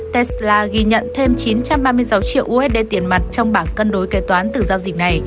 tesla ghi nhận thêm chín trăm ba mươi sáu triệu usd tiền mặt trong bảng cân đối kế toán từ giao dịch này